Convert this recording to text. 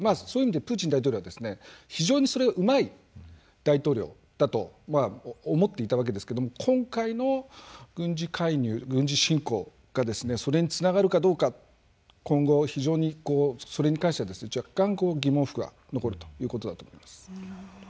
そういう意味でプーチン大統領は非常にそれがうまい大統領だと思っていたわけですけども今回の軍事介入軍事侵攻がそれにつながるかどうか今後非常にそれに関しては若干疑問符が残るということだと思います。